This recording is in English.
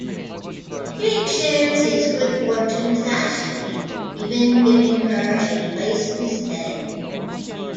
Jake shares his good fortune with Ashley, even giving her a place to stay.